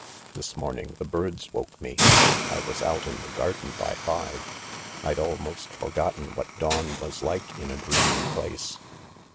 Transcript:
This morning the birds woke me. I was out in the garden by five. I'd almost forgotten what dawn was like in a green place."